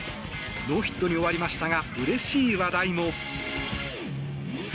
ノーヒットに終わりましたがうれしい話題も。